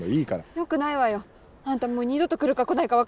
よくないわよ。あんたもう二度と来るか来ないか分かりゃしない。